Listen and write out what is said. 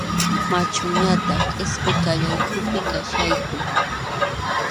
Machuñataq qʼipisqallaykupi kachkayku.